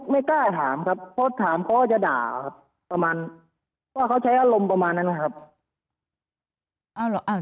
ไม่กล้าถามครับเพราะถามเขาก็จะด่าครับประมาณว่าเขาใช้อารมณ์ประมาณนั้นนะครับ